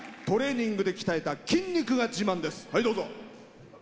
トレーニングで鍛えた筋肉が自慢です。